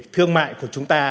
thương mại của chúng ta